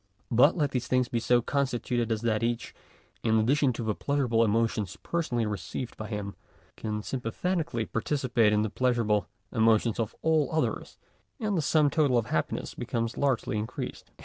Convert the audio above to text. But let these beings be so constituted as that each, in addition to the pleasurable emotions personally re ceived by him, can sympathetically) participate in the pleasurable emotions of all others, and the sum total of happiness becomes largely increased.